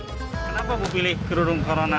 kenapa memilih kerudung corona